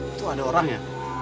itu ada orang ya